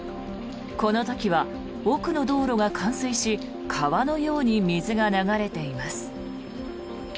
この時は奥の道路が冠水し川のように水が流れています。